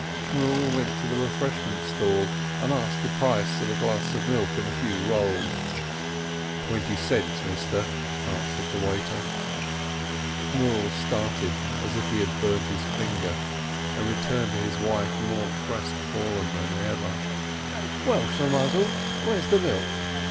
Shmuel went to the refreshment stall, and asked the price of a glass of milk and a few rolls. "Twenty cents, mister," answered the waiter. Shmuel started as if he had burnt his finger, and returned to his wife more crestfallen than ever. "Well, Shlimm mazel, where's the milk?"